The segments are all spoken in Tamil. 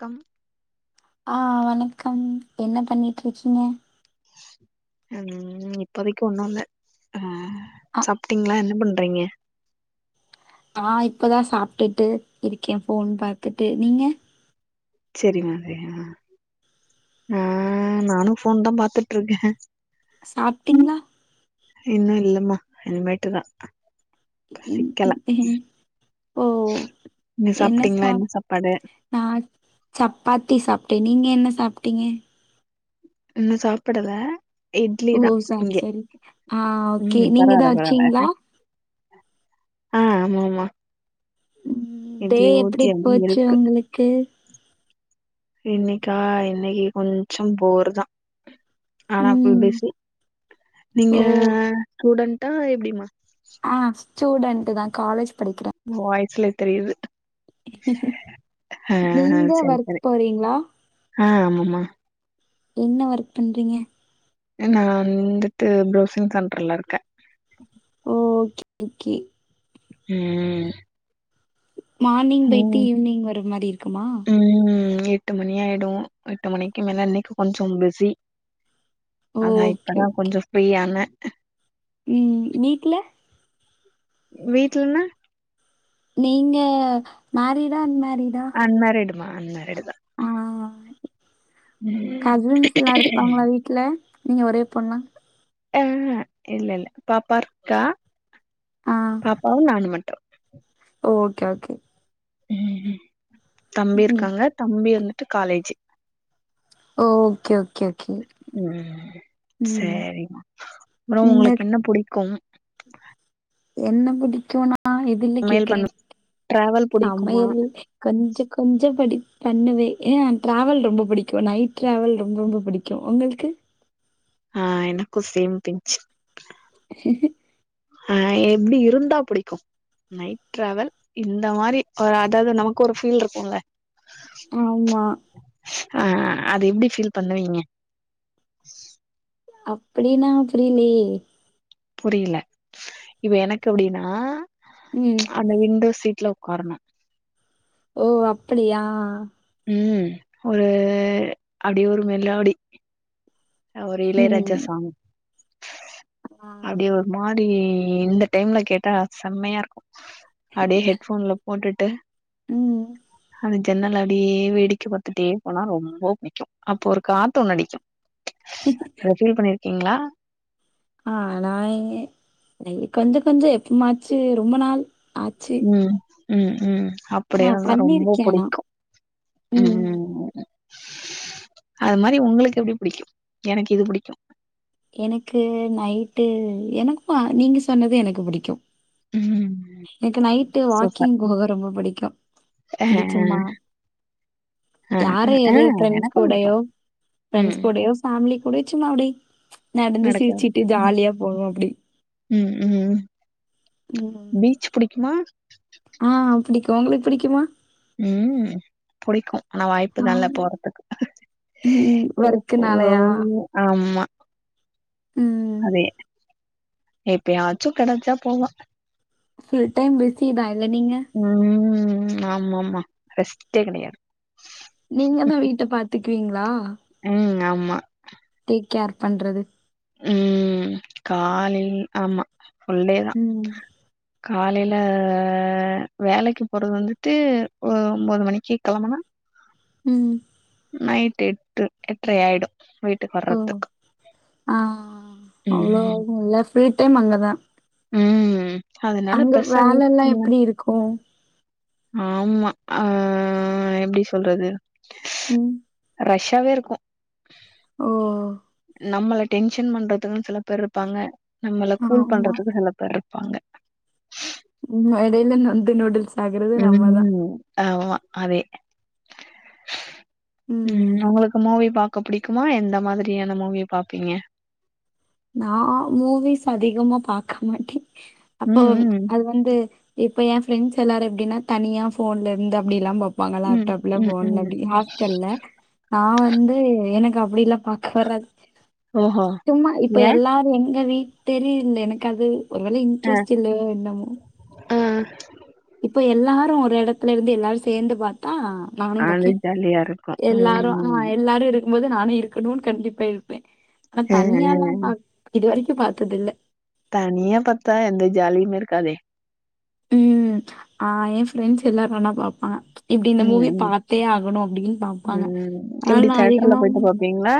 கம் ஆ வணக்கம் என்ன பண்ணிட்ருக்கீங்க ம் இப்போதைக்கு ஒண்ணு இல்ல ஆ அ சாப்ட்டீங்களா என்ன பண்றீங்க ஆ இப்பதா சாப்ட்டுட்டு இருக்கே ஃபோன் பாத்துட்டு நீங்க சரிமா ச ஆ நானு போன் தா பாத்துட்டு இருக்கே சாப்டீங்களா இன்னும் இல்லம்மா இனிமேட்டு தா க நீ சாப்ட்டீங்களா என்ன சாப்பாடு நா சப்பாத்தி சாப்டே நீங்க என்ன சாப்டீங்க இன்னு சாப்புடல இட்லி தா ஓ சாரி இங்க சாரி ஆ ஓகே ம் நீங்க எதா பரவால்ல பரவால்ல அடிச்சீங்ளா ஆ ஆமாமா ம் டே எப்டி அப்டி போச்சு இருக்கு உங்களுக்கு இன்னைக்கா இன்னைக்கு கொஞ்சம் போர் தா ஆனா ஃபுல் ம் பிஸி நீங்க ஓ ஸ்டூடன்டா எப்டிமா ஆ ஸ்டூடெண்டு தா காலேஜ் படிக்கிறே வாய்ஸ்லே தெரியுது ஆ ஆ நீங்க செரி ஒர்க் செரி போறீங்ளா ஆ ஆமாமா என்ன ஒர்க் பண்றீங்க நா வந்துட்டு ப்ரௌசிங் சென்டர்ல இருக்கே ஓ ஓகே கே ம் மார்னிங் போயிட்டு ம் ஈவ்னிங் வர மாரி இருக்குமா ம் எட்டு மணி ஆயிடு எட்டு மணிக்கு மேல இன்னைக்கு கொஞ்சோ பிஸி ஓ அதா ஓகே இப்பதா கொஞ்சோ ஃப்ரீயான ம் வீட்ல வீட்லனா நீங்க மேரீடா அன்மேரீடா அன்மேரீடுமா அன்மேரீடுதா கஸின்ஸ்லா இருப்பாங்களா வீட்ல நீங்க ஒரே பொண்ணா ஆ இல்ல இல்ல பாப்பா இருக்கா ஆ பாப்பாவு நானுமட் ஓ ஓகே ஓகே ம் தம்பி ம் இருக்காங்க தம்பி வந்துட்டு காலேஜு ஓ ஓகே ஓகே ஓக்கே ம் சேரிமா அப்றோ நீங்க உங்களுக்கு என்ன புடிக்கும் என்ன புடிக்குனா எதுல சமையல் கேக்குறே பண்ண டிராவல் [inaudible] புடிக்குமா சமையல் கொஞ்சோ கொஞ்சோ படி பண்ணுவே ஆ ட்ராவல் ரொம்ப புடிக்கு நைட் ட்ராவல் ரொம்ப ரொம்ப புடிக்கு [unintelligible] உங்களுக்கு ஆ எனக்கு சேம் பிஞ்ச் அ எப்டி இருந்தா புடிக்கு நைட் ட்ராவல் இந்த மாரி அதாவது நமக்கு ஒரு ஃபீல் இருக்கும்ல ஆமா ஆ அது எப்டி ஃபீல் பண்ணுவீங்க அப்டினா புரியலயே புரியில இப்ப எனக்கு அப்டினா ம் அந்த விண்டோ சீட்ல உக்காரணு ஓ அப்படியா ம் ஒரு அப்டியே ஒரு மெலோடி ஒரு இளையராஜா ம் சாங் ஆ அப்டியே ஒரு மாரி இந்த டைம்ல கேட்டா செம்மையா இருக்கு அப்டியே ஹெட் போன்ல போட்டுட்டு ம் அந்த ஜன்னல் அப்டியே வேடிக்கை பாத்துட்டே போனா ரொம்ப புடிக்கு அப்போ ஒரு காத்து ஒன்னு அடிக்கு அத ஃபீல் பண்ணிருக்கீங்ளா ஆ நா எங்கே கொஞ்சோ கொஞ்சோ எப்பமாச்சு ரொம்ப நாள் ஆச்சு ம் ம் ம் அப் அப்டியே ஆ வந்தா ரொம்ப பண்ணிருக்கே ஆனா புடிக்கு ம் அது மாரி உங்களுக்கு எப்டி புடிக்கு எனக்கு இது புடிக்கு எனக்கு நைட்டு எனக்கு நீங்க சொன்னது எனக்கு புடிக்கு ம் எனக்கு நைட்டு சூப்பர் வாக்கிங் போக ரொம்ப புடிக்கு அ அப்டிச்சும்மா அ யார அ அ அது ஃப்ரெண்ட்ஸ் எனக்கு புடிக்கு கூடயோ ம் ஃப்ரெண்ட்ஸ் கூடயோ ஃபேமிலி கூட சும்மா அப்டே நடந்து நடக்குது சிரிச்சிட்டு ம் ஜாலியா போவோ அப்டி ம் ம் ம் பீச் புடிக்குமா ஆ புடிக்கு உங்களுக்கு புடிக்குமா ம் புடிக்கு ஆனா வாய்ப்புதா இல்ல ஆமா போறதுக்கு ம் ஓஹோ ஒர்க்குனாலயா ஆமா ம் அதே எப்பயாச்சு கெடச்சா போவ ஃபுல் டைம் பிஸி தா இல்ல நீங்க ம் ஆமாமா ரெஷ்ட்டே கெடயாது நீங்க தா வீட்ட பாத்துக்குவீங்ளா ம் ஆமா டேக் கேர் பண்றது ம் காலைல ஆமா ஃபுல்டே தா ம் காலைல அ வேலைக்கு போறது வந்துட்டு ஒன்பது மணிக்கு கெளம்புனா ம் நைட்டு எட்டு எட்ர ஆய்டு வீட்டுக்கு ஓ வரப்ப ம் ரூட்டும் அங்க தான் ம் அதனால அங்க பெருசா வேலல்லா வீட்டுக்கு எப்டி இருக்கு ஆமா ஆ எப்டி சொல்றது ம் ரஷ்ஷாவே இருக்கு ஓ நம்மள டென்ஷன் பண்றதுக்கு சில பேர் இருப்பாங்க நம்மள கூல் ஆமா பண்றதுக்கு சில பேர் இருப்பாங்க ம் மடைலா நொந்து நூடுல்ஸ் ஆகுறது நம்ம தான் ம் ஆமா அதே ம் உங்களுக்கு மூவி பாக்க புடிக்குமா எந்த மாதிரியான மூவி பாப்பீங்க நான் மூவிஸ் அதிகமா பாக்க மாட்டே அப்போ ம், ம், அது வந் வந்து இப்ப என் ஃப்ரெண்ட்ஸ் எல்லாரு எப்டின்னா தனியா ஃபோன்ல இருந்து அப்டில்லா பா வாங்க ம், லேப்டாப்ல ம், ஃபோன்ல ம். அப்டி ஹாஸ்டல்ல நா வந்து எனக்கு அப்டில்லா பா பறது ஓஹோ! ஏன்? யார் எங்க வீட் தெரியல எனக்கு அது ஒருவேளை ஆ. இன்ட்ரெஸ்ட் இல்லையோ என்னமோ ஆ இப்ப எல்லாரு ஒரு எடத்துல இருந்து எல்லாரு சேந்து பாத்தா நானு அது பாப்பே ஜாலியா இருக்கு ம் எல்லாரு ஆ எல்லாரு இரு க்கும் போது நானு இருக்கணுனு கண்டிப்பா இருப்பே ஆனா தனியால்லா ம் பாக் இது வரைக்கு பாத்தது இல்ல தனியா பாத்தா எந்த ஜாலியும் இருக்காதே ம் ஆ எ ஃப்ரெண்ட்ஸ் எல்லாரனா பாப்பே இப்டி இந்த ம் மூவிய ம் பாத்தே ஆகணு அப்டின் பாப்பாங்க ஆனா நா அதிகமா ங்ளா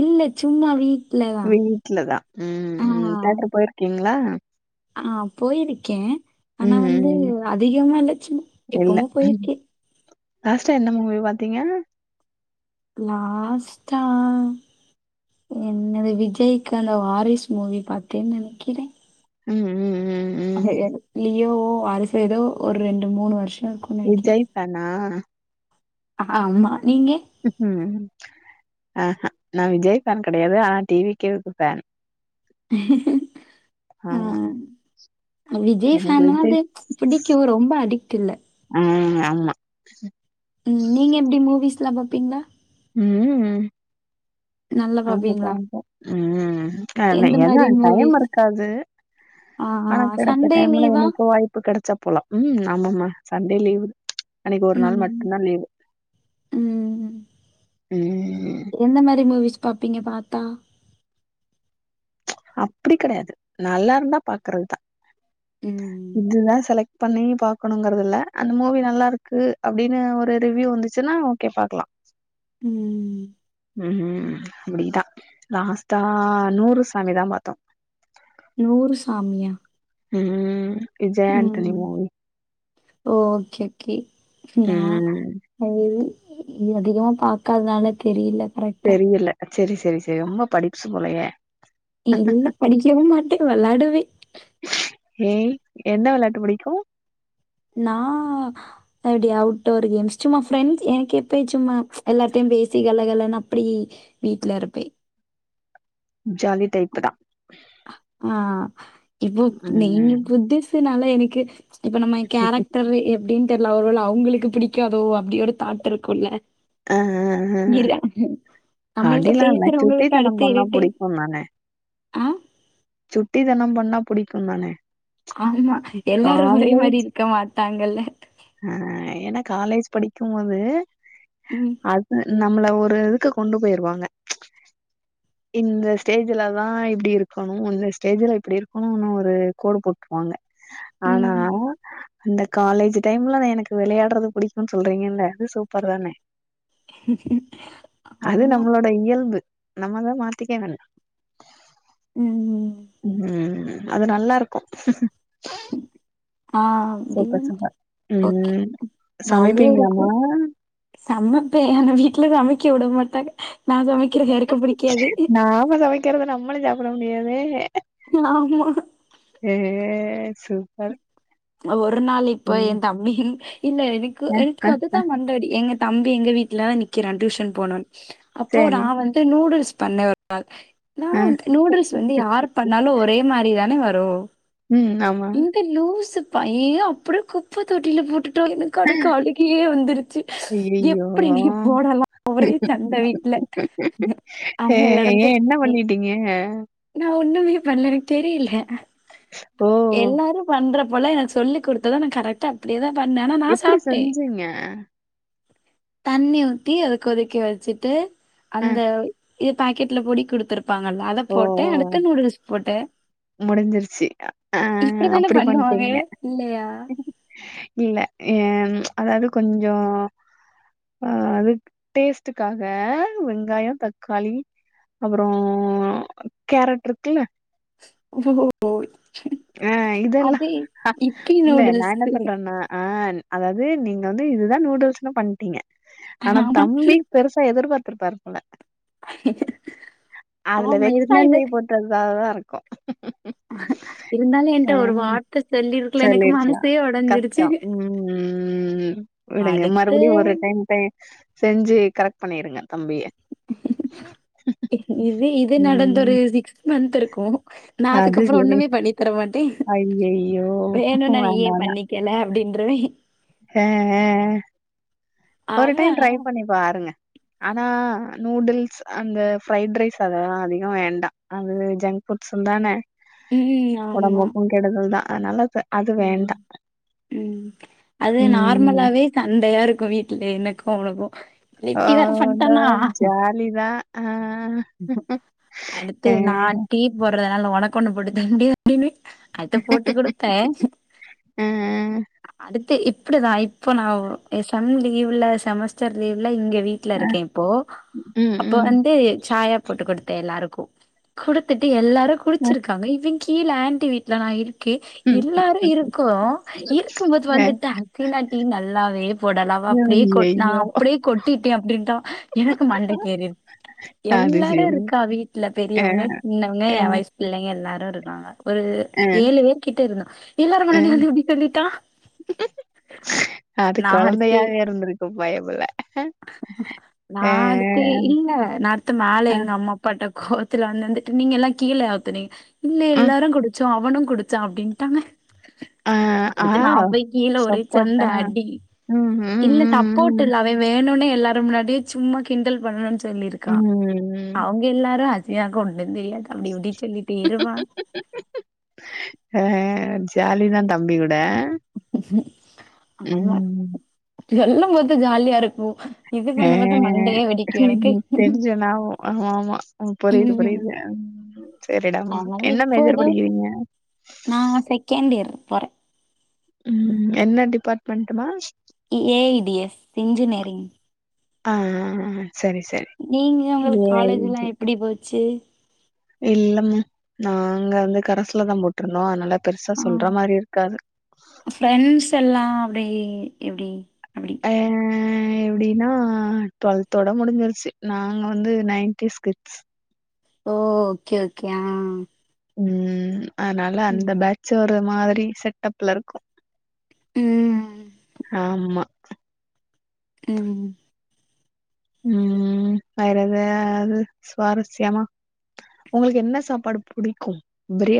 இல்ல சும்மா வீட்லதான் வீட்லதா ம் ஆ தேட்ரு போயிருக்கீங்ளா ஆ போயிருக்கே ஆனா ம் வந்து ம் அதிகமா இல்ல சும் இல்ல எப்பமோ ம். போயிருக்கே லாஸ்ட்டா என்ன மூவி பாத்தீங்க லாஸ்ட்டா என்னது விஜய்க்கான வாரிஸ் மூவி பாத்தேன் நினைக்கிறே ம் ம் ம் ம் அது எதோ லியோவோ வாரிசோ எதோ ஒர் ரெண்டு மூணு வர்ஷ இருக்கு விஜய் ஃபேனா ஆம்மா நீங்க ம் ஆ ஹே நா விஜய் ஃபேன் கெடையாது ஆனா டி வி கே வுக்கு ஃபேன் ஹ ஆ ஆமா விஜய் எனக்கு விஜய் ஃபேன்னாது புடிக்கு ரொம்ப அடிக்ட் இல்ல அ ஆம்மா ம் நீங்க எப்டி மூவிஸ்லா பாப்பீங்ளா ம் ம் நல்லா ஆமா பாப்பீங்களா பாப்போ ம் ஆனா எந்த எனா மாரி டைம் மூவிஸ் இருக்காது ஆ ஆனா கெடைச்ச சண்டே டைம்ல லீவா என்னைக்கோ வாய்ப்பு கெடைச்சா போலா ம் ஆமமா சண்டே லீவு அன்னைக்கு ஒரு நாள் மட்டு தா லீவு ம் ம் ம் எந்த மாரி மூவிஸ் பாப்பீங்க பாத்தா அப்டி கெடையாது நல்லா இருந்தா பாக்குறதுதா ம். இதுதா செல ட் பண்ணி பாக்கணுங்கறது இல்ல அந்த மூவி நல்லாருக்கு அப்டின் ஒரு ரிவ்யூ வந்துச்சுனா ஓக்கே பாக்லா ம் ம் ம் அப்டிதா லாஸ்ட்டா நூறு சாமி தா பாத்தோ நூறு சாமியா ம் விஜய் ஆண்டனி ம் மூவி. ஓக்கே கே லா ம். அது அதிகமா பாக்காதனால தெரில தெரியல சரி சரி சரி ரொம்ப படிப்ஸ்சு போலையே இல்ல படிக்கவும் மாட்டே வெளாடுவே ஏய் என்ன வெளாட்டு புடிக்கு நா அப்டி அவுட்டோர் கேம்ஸ் சும்மா ஃப்ரெண்ட்ஸ் எனக்கு எப்போ சும்மா எல்லார்ட்டயு பேசி கல கலன்னு அப்டி வீட்ல இருப்பே ஜாலி டைப்புதா ஆ இப்போ நீங்க ம் புதுசுனால எனக்கு இப்ப நம்ம கேரக்டர் எப்டின் தெர்ல ஒருவேள அவங்களுக்கு பிடிக்காதோ அப்டி ஒரு தாட் இருக்குல்ல ஆ ஆ ஆ கிரிதே அடில்லால சுட்டி தனம் பண்ணா புடிக்குந் தானே ஆ சுட்டி தனொம் பண்ணா புடிக்குந்தானே ஆமா எல்லாரு ஒரே மாரி இருக்க மாட்டாங்கல்ல ஆஹ் எனா காலேஜ் படிக்கும்போது உம் அது நம்மள ஒரு இதுக்கு கொண்டு பொயிருவாங்க இந்த ஸ்டேஜுலதா இப்டி இருக்கணு இந்த ஸ்டேஜுல இப்டி இருக்கணூனு ஒரு கோடு போட்ருவாங்க ஆனா ம் அந்த காலேஜி டைம்லவே எனக்கு வெளையாட்றது புடிக்கூன் சொல்றீங்கல்ல அது சூப்பர் தானே அது ஆமா நம்மளோட இயல்பு நம்மதா மாத்திக்க வேண் ம் ம் உம் அது நல்லா இருக்கு ஆஹ் சூப்பர் சூப்பர் உம் சமைப்பீங்ளாமா சமப்பே அனா வீட்ல சமைக்க விட மாட்டாங்க நா சமைக்கிறது யாருக்கு புடிக் நாம சமைக்கிறத நம்மளு சாப்புட முடியாதே ஆமா ஏ சூப் ஒரு நாள் இப்ப ஏ தம்பியின் இல்ல எனக்கு எனக்கு அதுதா மண்ட அடி எங்க தம்பி எங்க வீட்லதா நிக்கிறா டியூஷன் போனொன் அப்போ நா சரி வந்த் து நூடுல்ஸ் பண்ண ஒரு நாள் நா ஆ வந்து நூடுல்ஸ் வந்து யாரு பண்ணாலு ஒரே மாரி தானே வரு ம் ஆமா இங்க லூஸுப் பையெ அப்புடேக் குப்பத் தொட்டியில போட்டுட்டா எனக் கனக்கு அழுகையே வந்துருச்சி ஐயையோ எப்டி நீ போடலா ஒரே சண்ட வீட்ல ஹே அன்னையில ஏ என்ன பண்ணிட்டீங்க நா ஒண்ணுமே பண்ல எனக் தெரியல ஓ எல்லாரு பண்றப்பொலா எனக் சொல்லி குடுத்தாதா நா கரெட்டா அப்டியேதா பண்ணே ஆனா நா எப்படி சாப்ட்டே செஞ்சீங்க தண்ணி ஊத்தி அத கொதிக்க வச்சிட்டு ஆ அந்த இது பாக்கெட்ல பொடி குடுத்துருப்பாங்கல்ல அத போட்டே அடுத்து நூடுல்ஸ் போட்டே முடிஞ்சிருச்சி ஆ இப்படிதானே அப்டி பண்ணுவாங்க பண்ட்டிங்க இல்லையா இல்ல ஏ அதாவது கொஞ்சோ ஆஹ் அதுக் டேஸ்ட்டுக்காக வெங்காயோ தக்காளி அப்பறோ கேரட் ருக்குல்ல ஆஹ் இதெல்லா அது இப்பி இல்ல நா நூடுல்ஸ் என்ன சொல்றன்னா ஆன் அதாவது நீங்க வந்து இதுதா நூடுல்ஸுனு பண்ட்டிங்க ஆனா ஆமா தம்பி பெருசா எதிர்பாத்துருப்பாரு போலர்க்கு அதுல ஆமா வெக்ஸ் ஆயி இருந்தாலும் பொயிப் போட் ட தாதா இருக்கு இருந்தாலு அ என்ட்ட ஒரு வார்த்த சொல்லிருக்குல எனக்கு சொல்லிற்கலா மனசே ஒடஞ்சிருச்சு கஷ்டோ ம் ம் ம் விடுங்க அடுத்து மறுபடியு ஒரு டைம் டை செஞ்சு கரெக்ட் பண்ணிருங்க தம்பிய இது இது ம். நடந்தொரு சிக்ஸ் மந்த் இருக்கு நா அது அதுக்கப்பறோ சரி. ஒண்ணுமே பண்ணி தர மாட்டே ஐயய்யோ! வேணுனா வேண்டாம், நீயே வேண்டாம். பண்ணிக் கேல அப்டின்றுவே ஆ ஆ ஆ ஒரு அவ டைம் ட்ரை பண்ணி பாருங்க ஆனா நூடுல்ஸ் அந்த ஃபிரைட் ரைஸ் அதல்லா அதிகொ வேண்டா அது ஜன்க் ஃபுட்ஸ்ஸுந் தான ம் ஆமா ஒடம்புக்கு கெடுதல் தா அதுனால ப ம் ம் அது ம் நார்மலாவே சண்டையா இருக்கு வீட்ல எனக்கு அவனுக்கு இப்டி வேற இந்த பண்டனா ஜாலி லீதா ஆ ஆ ஆ அடுத்து நா டீ போட்றனால ஒனக்கு ஒன்னு போட்டு தாண்டி அப்டினே அத்த போட்டு குடு த்தே ஆ அடுத்து இப்டிதா இப் இப்ப நா எக்சாம் லீவ்ல செமஸ்டர் லீவ்ல இங்க வீ வீட்ல இருக்கே இப்போ அப்ப ம் வந்து சாயா போட்டு குடுத்தே எல்லாருக்கு குடுத்துட்டு எல்லாரு குடுச்சுருக்காங்க இவெ எ கீழ ஆண்டி வீட்ல நா இருக்கே ம் எல்லாரு இருக்குறோ இருக்கும்போது வந்துட்டு அசினா டீ நல்லாவே போடலா அவ அப்டியே கொட்னா ஐயய்யோ அப்டியே கொட் டிட்டே அப்டின்டா எனக்கு மண்டக் கேறிற் அ எல்லாரு இருக்கா வீட்ல பெரியவுங்க சின்னவுங்க ஆ எ வயசு பிள்ளைங்க எல்லாரு இருக்காங்க ஒரு ஆ ஏழு பேர் கிட்ட இருந்தோ எல்லார் ஆ முன்னாடியு வந்து இப்டி சொல்லிட்டா அது நா அடுத்து கொழந்தையாவே இருந்திருக்கு பயபுல்ல நா அடுத்து இல்ல நா அடுத்து மேல ஆ எங்க அம்மா பட்ட கோவத்துல வந்துன்ட்டு நீங்க எல்லா கீழ ஆத்துனீ இல்ல ம் எல்லாரு குடுச்சோ இவனு குடுச்சா அப்டின்ட்டாங்க ஆ ஆ அடுத்து நா போய் கீழ ஒரே சண்ட சப்போட்டா அடி ம் ம் இல்ல தப்போட்டு ம் இல்ல அவெ வேணுனே எல்லார் முன்னாடியு சும்மா கிண்டல் பண்ணணுனு ம் சொல்லிருக்கா ம் அவுங்க எல்லாரு அசியா கொண்டு வந்து ஏக்கா இப்டி இப்டி சொல்லிட்ட இருமா அ ஜாலி தா தம்பி கூட அ ஆமா எல்லா பாத்தா ஜாலியா இருக்கு இது ஆ பண்ணும்போது மண்டையே வெடிக்கு எனக்கு டென்ஷன் ஆகு ஆமா புரிது ம் புரிது செரிடாமா அதனால என்ன இப்போ மேஜர் ஏதோ படிக்கிறீங்க நா செகேண்ட் இயர் போறே ம் என்ன டிபாட்மன்ட்டுமா A I D S engineering ஆ ஆ ஆ சரி சரி நீங்க ஒங்களுக்கு காலேஜல்லா எப்டி போச்சு இல்லமா நாங்க வந்து கரஸ்ல தா போட்ருந்தோ அதுனால பெருசா சொல்ற மாரி இருக்காது ஃப்ரெண்ட்ஸல்லா அப்டி எப்டி அப்டி ஆ ஆ எப்டின்னா டுவல்தோட முடுஞ்சுருச்சு நாங்க வந்து நைன்டீஸ் கிட்ஸ் ஓ ஓகே ஓகே ஆ ஆ ம் அதனால அந்த பேட்ச் ஒரு மாதிரி செட்டப்ல இருக்கு ம் ஆமா ம் ம் வேற எதாது சுவாரஸ்யமா உங்களுக்கு என்ன சாப்பாடு புடிக்கும் பிராயா